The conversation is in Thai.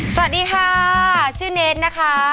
สวัสดีค่ะชื่อเนสนะคะ